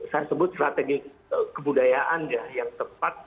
saya sebut strategi kebudayaan ya yang tepat